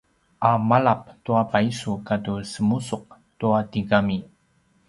a malap tua paisu katu semusuq tua tigami